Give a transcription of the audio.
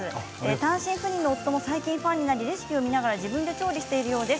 単身赴任の夫も最近ファンになりレシピを見て予備を作っているようです。